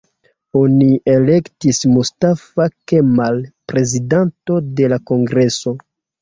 Oni elektis Mustafa Kemal prezidanto de la kongreso.